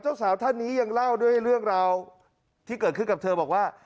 เจ้าสาวท่านนี้ยังเล่าด้วยเรื่องราวที่เกิดขึ้นกับเธอบอกว่า